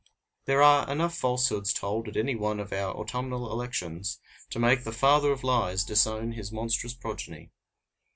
There are enough falsehoods told at any one of our autumnal elections to make the "Father of Lies" disown his monstrous progeny.